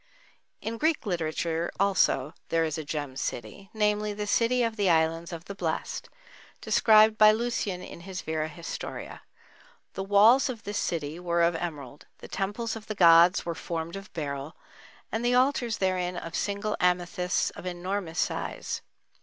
In Greek literature also there is a "gem city,"—namely, the city of the Islands of the Blessed, described by Lucian in his Vera Historia. The walls of this city were of emerald, the temples of the gods were formed of beryl, and the altars therein of single amethysts of enormous size.